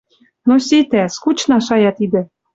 Но ситӓ, скучна шая тидӹ».